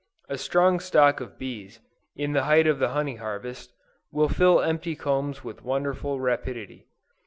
A strong stock of bees, in the height of the honey harvest, will fill empty combs with wonderful rapidity.